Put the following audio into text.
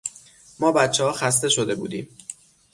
ما بچهها خسته شده بودیم.